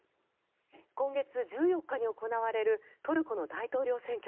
今月１４日に行われるトルコの大統領選挙。